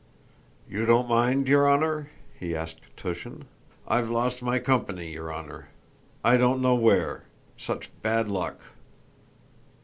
"You don't mind your honor?" he asked Túshin. "I've lost my company, your honor. I don't know where... such bad luck!"